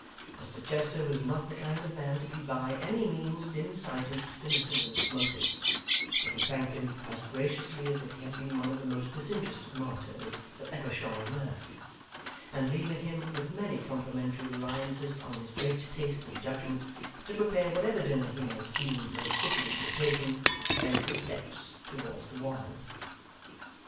Mr Chester was not the kind of man to be by any means dim sighted to Mr Willet's motives, but he thanked him as graciously as if he had been one of the most disinterested martyrs that ever shone on earth; and leaving him, with many complimentary reliances on his great taste and judgment, to prepare whatever dinner he might deem most fitting the occasion, bent his steps towards the Warren.